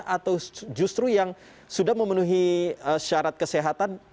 atau justru yang sudah memenuhi syarat kesehatan